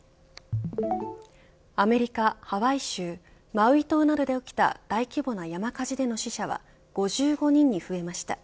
アメリカ・ハワイ州マウイ島などで起きた大規模な山火事での死者は５５人に増えました。